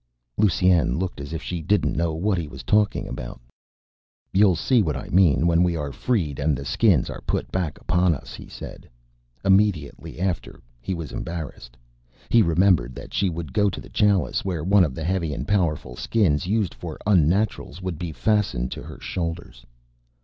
Lusine looked as if she didn't know what he was talking about. "You'll see what I mean when we are freed and the Skins are put back upon us," he said. Immediately after, he was embarrassed. He remembered that she would go to the Chalice where one of the heavy and powerful Skins used for unnaturals would be fastened to her shoulders.